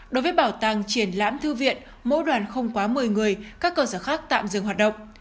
đối với bảo tàng triển lãm thư viện mỗi đoàn không quá một mươi người các cơ sở khác tạm dừng hoạt động